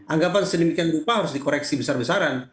anggapan sedemikian rupa harus dikoreksi besar besaran